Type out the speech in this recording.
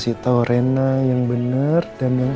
sekarang tiduran sekarang